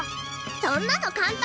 そんなの簡単！